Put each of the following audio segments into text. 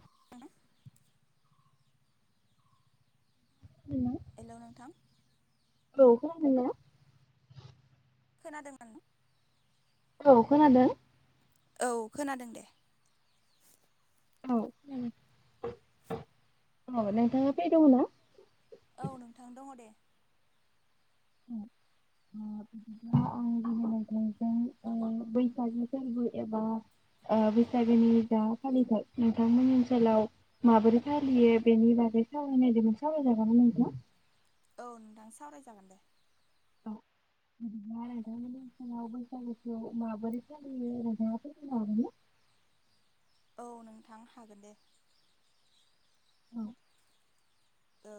[unintelligible] [unintelligible] हल' नोंथां अ खोनादोंना खोनादोंमोन औ खोनादों औ खोनादों दे औ उम औ नोंथाङा फ्रि दङना औ नोंथां दङ दे [unintelligible] आं नोंथांजों बैसागो फोरबो एबा बैसागोनि जा फालिथाय नोंथांमोननि ओनसोलाव माबोरै फालियो बेनि बागै सावरायनायदोंमोन सावरायजागोनना नोंथां औ नोंथां सावराय जागोन दे नोंथां मोननि ओनसोलाव बैसागु खौ माबोरै फालियो नोंथां आ फोरमायनो हागोनना औ नोंथां हागोन दे औ ओ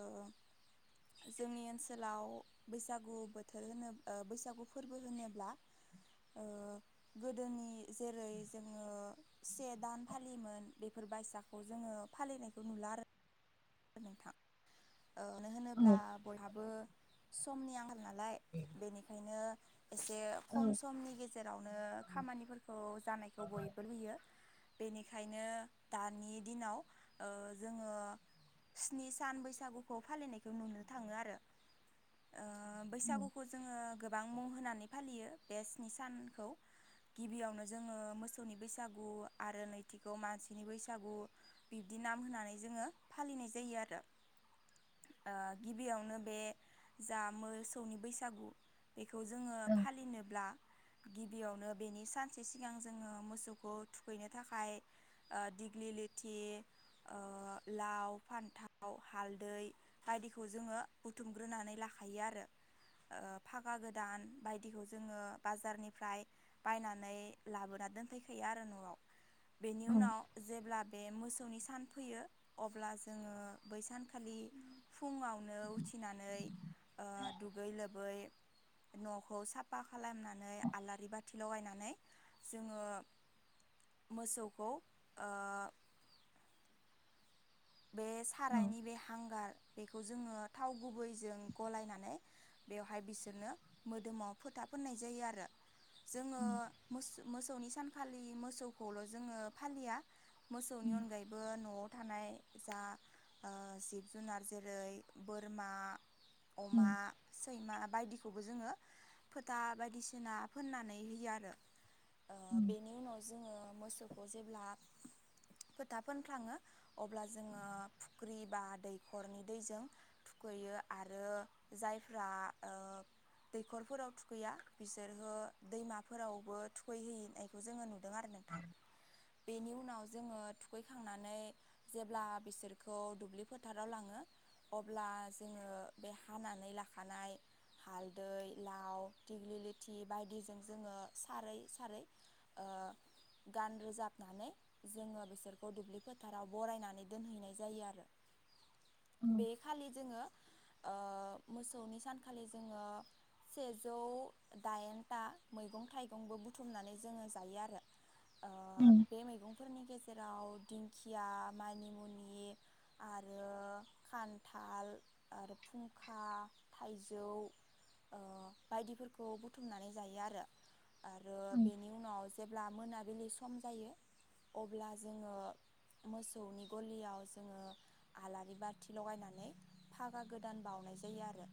जोंनि ओनसोलाव बैसागु बोथोर होनो बैसागु फोरबो होनोब्ला गोदोनि जेरै जोङो से दान फालियोमोन बेफोर बायसाखौ जोङो फालिनायखौ नुला आरो नोंथां मानो होनोब्ला औ बयहाबो समनि आं नालाय बेनिखायनो एसे औ खम समनि गेजेरावनो खामानिफोरखौ जानायखौ बयबो लुबैयो बेनिखायनो दानि दिनाव जोङो स्नि सान बैसागुखौ फालिनायखौ नुनो थाङो आरो। बैसागुखौ जोङो गोबां मुं होनानै फालियो बे स्नि सानखौ गिबियावनो जोङो मोसौनि बैसागु आरो नैथिखौ मानसिनि बैसागु बिब्दि नाम होनानै जोङो फालिनाय जायो आरो गिबियावनो बे जा मोसौनि बैसागु बे खौ जोङो औ फालिनोब्ला गिबियावनो बेनि सानसे सिगां जोङो मोसौखौ थुखैनो थाखाय दिग्लि लेथि लाव फानथाव हालदै बायदिखौ जोङो बुथुमग्रोनानै लाखायो आरो फागा गोदान बायदिखौ जोङो बाजारनिफ्राय बायनानै लाबोना दोनफैखायो आरो न'आव बेनि औ उनाव जेब्ला बे मोसौ मोसौनि सान फैयो अब्ला जोङो बैसान खालि फुङावनो उथिनानै दुगै लोबै न'खौ साफा खालामनानै आलारि बाथि लगायनानै जोङो मोसौखौ बे औ सारायनि बे हांगार बेखौ जोङो थाव गुबैजों गलायनानै बेवहाय बिसोरनो मोदोमाव फोथा फोननाय जायो आरो। जोङो उम मोसौनि सानखालि मोसौखौल' जोङो फालिया मोसौनि उम अनगायैबो न' थानाय जा जिब जुनार जेरै बोरमा अमा उम सैमा बायदि खौबो जोङो फोथा बायदिसिना फोननानै होयो आरो। आ उम बेनि उनाव न जोङो मोसौखौ जेब्ला फोथा फुंखाङो अ ब्ला ब्रि बा दैखरनि दैजों थुखैयो आरो जायफ्रा दैखरफोराव थुखैया बिसोरहो दैमाफोरावबो थुखैहैनायखौ जोङो नु आरो नोंथां। बेनि उनाव जोङो थुखैखांनानै जेब्ला बिसोरखौ दुब्लि फोथाराव लाङो अब्ला जोङो बे हानानै लाखानाय हालदै लाव दिग्लिलिथि बायदिजों जोङो सारै सारै गान रोजाबनानै जोङो बिसोरखौ दुब्लि फोथाराव बरायनानै दोनहैनाय जायो आरो। बे खालि जोङो मोसौनि सानखालि जोङो सेजौ दाइनथा मैगं थाइगंबो बुथुमनानै जोङो जायो आरो। आ उम बे मैगं फोरनि गेजेराव दिंखि दुदिया मानिमुनि आरो खान्थाल आरो फुंखा थाइजौ बायदिफोरखौ बुथुमनानै जायो आरो। आरो उम बेनि उनाव जेब्ला मोनाबिलि सम जायो अब्ला जोङो मोसौनि गलियाव जोङो आलारि बाथि लगायनानै फागा गोदान बाउनाय जायो आरो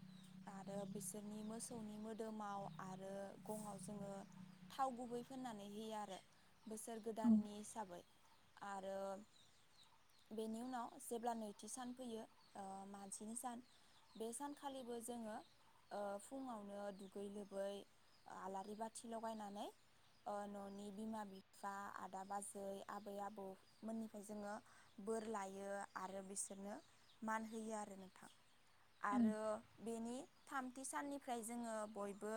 आरो बिसोरनि मोसौनि मोदोमाव आरो गङाव जोङो थाव गुबै फोननानै होयो आरो बोसोर उम गोदाननि हिसाबै आरो बेनि उनाव जेब्ला नैथि सान फैयो मानसिनि सान बे सानखालिबो जोङो फुङावनो दुगै लोबै आलारि बाथि लगायनानै न'नि बिमा बिफा आदा बाजै आबै आबौमोननि ओमफ्राय जोङो बोर लायो आरो बिसोरनो मान होयो आरो नोंथां उम आरो बेनि थामथि साननिफ्राय जोङो बयबो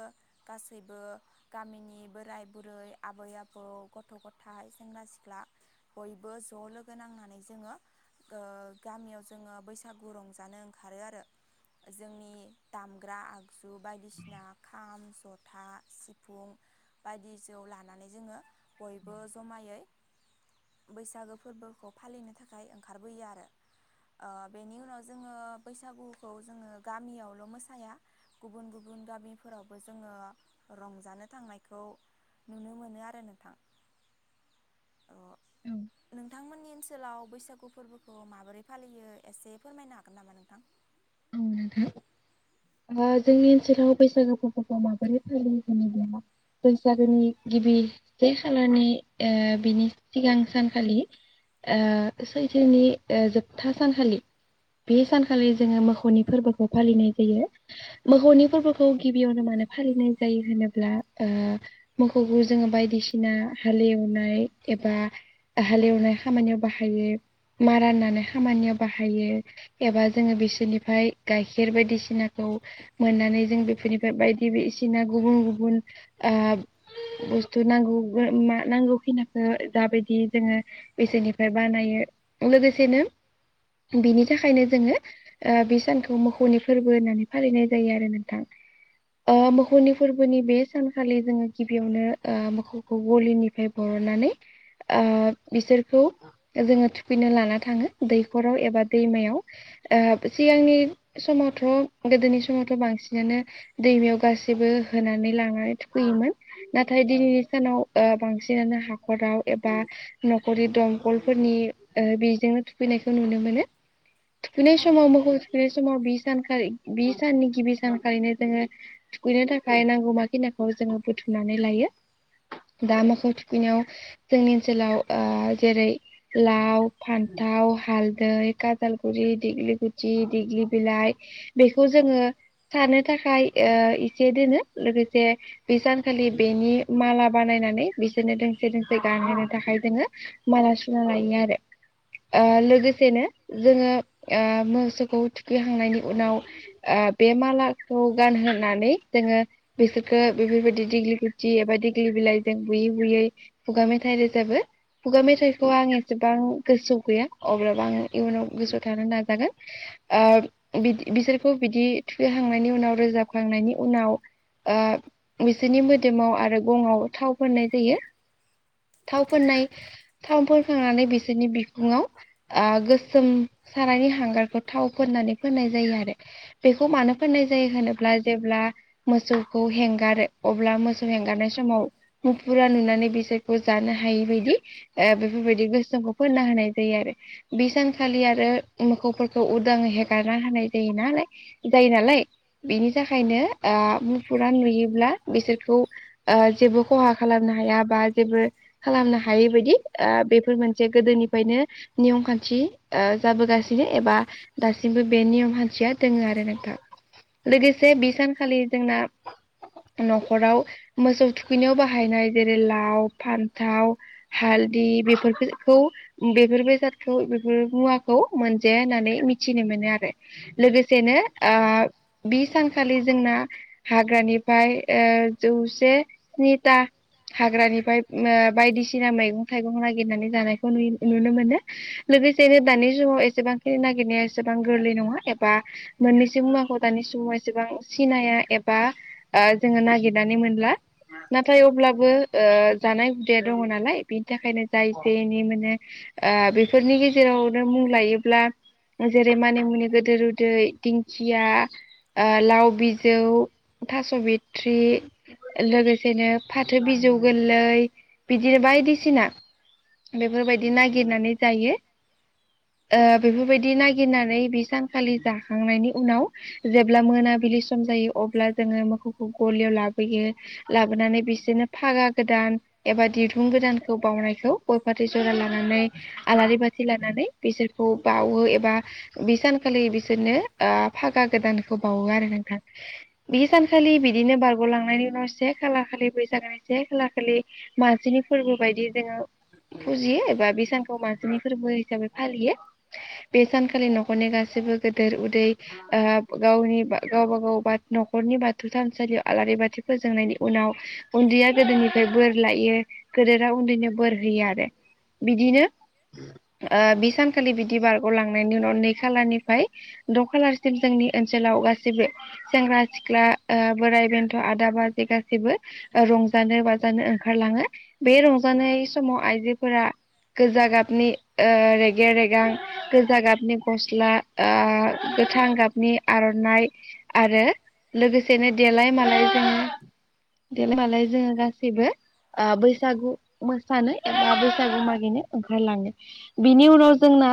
गासैबो गामिनि बोराय बुरै आबै आबौ गथ गथाय सेंग्रा सिख्ला बयबो ज ज लोगो नांनानै जोङो गामियाव जोङो बैसागु रंजानो ओंखारो आरो जोंनि दामग्रा आगजु बायदिसिना खाम जथा सिफुं बायदि जौ लानानै जोङो बयबो जमायै बैसागो फोरबोखौ फालिनो थाखाय ओंखारबोयो आरो बेनि उनाव जोङो बैसागुखौ जोङो गामियावल मोसाया गुबुन गुबुन गामिफोरावबो जोङो रंजानो थांनायखौ नुनो मोनो आरो नोंथां औ नोंथांमोननि ओनसोलाव बैसागु फोरबोखौ माबोरै फालियो एसे फोरमायनो हागोन नामा नोंथां? औ ओ जोंनि ओनसोलाव बैसागो फोरबोखौ माबोरै फालियो होनोब्ला बैसागोनि गिबि से खालारनि ओ बिनि सिगां सानखालि ओ सैथोनि ओ जोबथा सानखालि बे सानखालि जोङो मोसौनि फोरबोखौ फालिनाय जायो मोसौनि फोरबोखौ गिबियावनो मानो फालिनाय जायो होनोब्ला ओ मोसौखौ जोङो बायदिसिना हालेवनाय एबा हालेवनाय खामानियाव बाहायो मारा नानाय खामानियाव बाहायो एबा जोङो बिसोरनिफ्राय गाइखेर बायदिसिनाखौ मोननानै जों बेफोरनिफ्राय बायदि बसिना गुबुन गुबुन बुस्थु नांगौ मा नांगौ खिनाखो दाबायदि जोङो बिसोरनिफ्राय बानायो लोगोसेनो बिनि थाखायनो जोङो बे सानखौ मोखौनि फोरबो होननानै फालिनाय जायो आरो नोंथां मोखौनि फोरबोनि बे सानखालि जोङो गिबियावनो मोखौखौ गलिनिफ्राय बरननानै बिसोरखौ जोङो थुखैनो लाना थाङो दैखराव एबा दैमायाव ओ सिगांनि समावथ गोदोनि समावथ बांसिनानो दैमायाव गासैबो होनानै लानानै थुखैयोमोन नाथाय दिनैनि सानाव बांसिनानो हाखराव एबा नखरनि दंखलफोरनि बेजोंनो थुखैनायखौ नुनो मोनो थुखैनाय समाव मोखौ थुखैनाय समाव बि सानखालि बि साननि जोङो गिबि सानखालिनो जोङो थुखैनो थाखाय नांगौमाखिनाखौ जोङो बुथुमनानै लायो दा मोखौ थुखैनायाव जोंनि ओनसोलाव जेरै लाव फान्थाव हालदै काजालगुरि देग्लि बिलाइ बेखौ जोङो सानो थाखाय एसे दोनो लोगोसे बे सानखालि बेनि माला बानायनानै बिसोरनो दोंसे दोंसे गानहोनो थाखाय जोङो माला सुना लायो आरो लोगोसेनो जोङो मोसौखौ थुखैखांनायनि उनाव बे मालाखौ गानहोनानै जोङो बिसोरखो बेफोरबायदि देग्लि गुदि एबा देग्लि बिलाइजों बुयै बुयै खुगा मेथाइ रोजाबो खुगा मेथाइखौ आं एसेबां गोसोआव गैया अब्लाबो आं इयुनाव गोसोआव थानो नाजागोन ओ बिदि बिसोरखौ बिदि थुखैखांनायनि उनाव रोजाबखांनायनि उनाव बिसोरनि मोदोमाव आरो गंआव थाव फोननाय जायो थाव फोननाय थाव फोनखांनानै बिसोरनि बिखुङाव गोसोम सानायनि हांगारखो थाव फोननानै फोननाय जायो आरो बेखौ मानो फोननाय जायो होनोब्ला जेब्ला मोसौखौ हेंगारो अब्ला मोसौ हेंगारनाय समाव मुफुरा नुनानै बिसोरखौ जानो हायि बायदि बेफोरबायदि गोसोमखौ फोनना होनाय जायो आरो बे सानखालि आरो मोखौफोर खौ उदाङै हेगारना होनाय जायो नालाय जायो नालाय आ बिनि थाखायनो मुफुरा नुयोब्ला बिसोरखौ जेबो खहा खालामनो हाया बा जेबो खालामनो हायै बायदि आ बेफोर मोनसे गोदोनिफ्रायनो नियम खान्थि आ जाबोगासिनो एबा दासिमबो बे नियम हान्थिया दोङो आरो नोंथां लोगोसे बि सानखालि जोंना नखराव मोसौ थुखैनायाव बाहायनाय जेरै लाव फान्थाव हालदि बेफोरफोरखौ खौ बेफोर बेसादखौ बेफोर मुवाखौ मोनजाया होननानै थिनो मोनो आरो लोगोसेनो आ बि सानखालि जोंना हाग्रानिफाय ओ जौसे स्निथा हाग्रानिफ्राय बायदिसिना मैगं थाइगं नागिरनानै जानायखौ नुयो नुनो मोनो लोगोसेैनो दानि सुमाव एसेबांखिनि नागिरनाया एसेबां गोरलै नङा एबा मोननैसो मुवाखौ दानि समाव एसेबां सिनाया एबा जोङो नागिरनानै मोनला नाथाय अब्लाबो ओ जानाय हुदाया दङ नालाय बिनि थाखायनो जाय जनि माने बेफोरनि गेजेरावनो मुं लायोब्ला जेरै मानि मुनि गोदो रुदै दिंखिया लाव बिजौ थास बिथ्रि लोगोसेनो फाथो बिजौ गोरलै बिदिनो बायदिसिना बेफोरबायदि नागिरनानै जायो ओ बेफोरबाय दि नागिरनानै बे सानखालि जाखांनायनि उनाव जेब्ला मोनाबिलि सम जायो अब्ला जोङो मोखौखौ गलियाव लाबोयो लाबोनानै बिसोरनो फागा गोदान एबा दिरुं गोदानखौ बावनायखौ गय फाथै जरा लानानै आलारि बाथि लानानै बिसोरखौ बावो ए- बा बि सानखालि बिसोरनो फागा गोदानखौ बावो आरो नोंथां बि सानखालि बिदिनो बार'लांनायनि उनाव से खालाखालि बैसागनि से खालाखालि मासिनि फोरबो बायदि जोङो फुजियो एबा बे सानखौ मासिनि फोरबो हिसाबै फालियो बे सानखालि नखरनि गासैबो गेदेर उदै गावनि गावबा गाव नखरनि बाथौ थानसालियाव आलारि बाथि फोजोंनायनि उनाव उन्दैया गोदोरनिफ्राय बोर लायो गोदोरा उन्दैनो बोर होयो आरो बिदिनो ओ बे सानखालि बिदि बार लांनायनि उनाव नै खालारनिफ्राय द खालारसिम जोंनि ओनसोलाव गासैबो सेंग्रा सिख्ला बोराइ बेन्थ आदाबाजि गासैबो रंजानो बाजानो ओंखारलाङो बे रंजानाय समाव आइजोफोरा फुजा गाबनि रेगे रेगां गोज गाबनि गस्ला आ गोथां गाबनि आरनाइ आरो लोगोसेनो देलाय मालाय जों मालाय जोङो गासैबो बैसागु मोसानो एबा बैसागु मागिनो ओंखारलाङो बिनि उनाव जोंना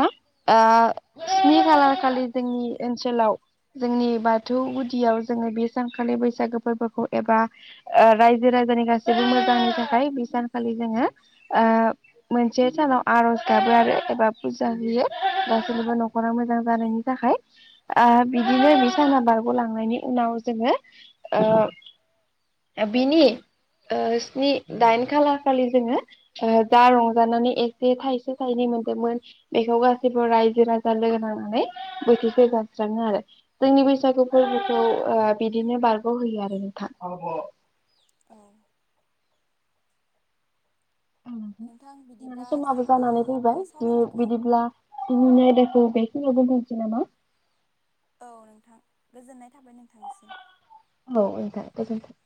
आ स्नि खालार खालि जोंनि ओनसोलाव जोंनि बाथौ गुदियाव जोङो बे सानखालि बैसागो फोरबोखौ एबा रायजो राजानि गासैबो मोजांनि थाखाय बे सानखालि जोङो मोनसे सानाव आरज गाबो आरो एबा फुजा होयो। मानसिफोरनि नखरा मोजां जानायनि थाखाय बिदिनो बि साना बारगलांनायनि उनाव जोङो बिनि स्नि दाइन खालार खालि जोङो जा रंजानानै एसे थाइसे थाइनै मोनदोंमोन बेखौ। फोरबो रायजो राजा लोगो नांनानै बोथिसे जास्राङो आरो जोंनि बैसागु फोरबोखौ बिदिनो बारगहोयो आरो नोंथां। औ नोंथां होने बिदिब्ला समाबो जोंनि जानानै ओ फैबाय सावरायनायखौ बिदिब्ला बेखिनिआव दोनथनोसै नामा? औ नोंथां गोजोननाय थाबाय नोंथांनिसिम औ नोंथां गोजोनथों